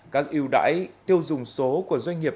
các yêu đáy tiêu dùng số của doanh nghiệp